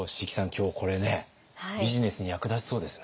今日これねビジネスに役立ちそうですね。